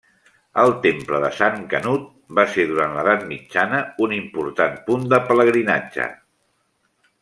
El temple de Sant Canut va ser durant l'edat mitjana un important punt de pelegrinatge.